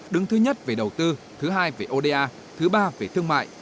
đứng thứ nhất về đầu tư thứ hai về oda thứ ba về thương mại